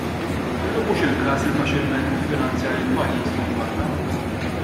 Illum mhux il-każ li faċilment tiffinanzja lill-pajjiż minn barra.